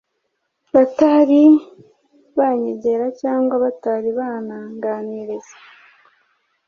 batari banyegera cg batari bananganiriza